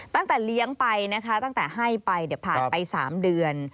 ตั้งแต่เลี้ยงไปนะคะตั้งแต่ให้ไปผ่านไป๓เดือน